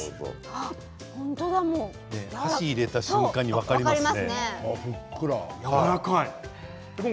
お箸を入れた瞬間に分かりますね。